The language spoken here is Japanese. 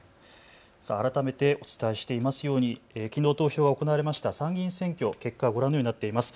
改めてお伝えしていますようにきのう投票が行われました参議院選挙の結果、ご覧のようになっています。